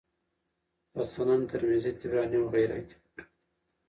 په سنن ترمذي، طبراني وغيره کي